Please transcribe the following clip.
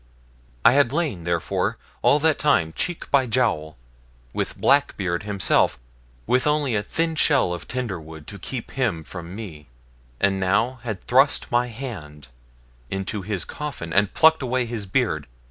I had lain, therefore, all that time, cheek by jowl with Blackbeard himself, with only a thin shell of tinder wood to keep him from me, and now had thrust my hand into his coffin and plucked away his beard.